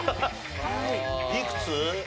いくつ？